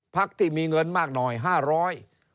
พักที่มีเงินมากหน่อยห้าร้อย